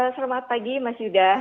selamat pagi mas yuda